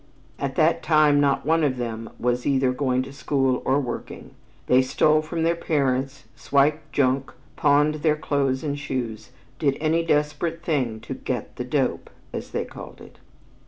At that time not one of them was either going to school or working. They stole from their parents, "swiped junk," pawned their clothes and shoes, did any desperate thing to "get the dope," as they called it.